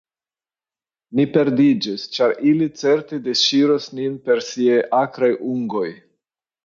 Ni perdiĝis, ĉar ili certe disŝiros nin per siaj akraj ungoj.